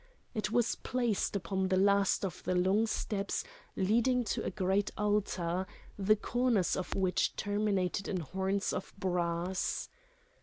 It was placed upon the last of the long steps leading to a great altar, the corners of which terminated in horns of brass.